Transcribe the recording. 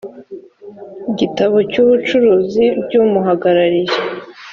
gitabo cy ubucuruzi by umuhagarariye